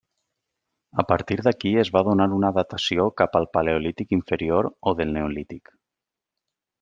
A partir d’aquí es va donar una datació cap al paleolític inferior o del neolític.